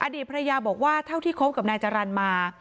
อดีตภรรยาบอกว่าเท่าที่คบกับนายจรรย์มา